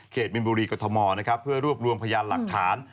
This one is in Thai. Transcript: เขตบินบุรีกฎมเพื่อรวบรวมพยานหลักฐาน